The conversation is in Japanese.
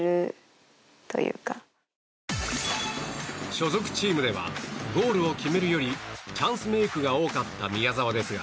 所属チームではゴールを決めるよりチャンスメイクが多かった宮澤ですが